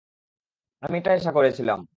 আমি এটাই আশা করেছিলাম।